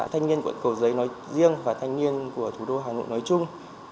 thanh niên quận cầu giấy nói riêng và thanh niên của thủ đô hà nội nói chung